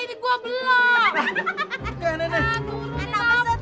ini gua belok